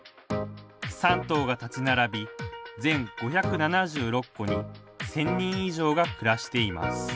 ３棟が立ち並び、全５７６戸に１０００人以上が暮らしています